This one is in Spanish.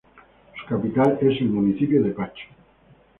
Su capital es el municipio de Pacho.